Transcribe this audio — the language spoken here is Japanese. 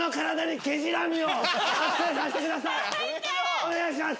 お願いします！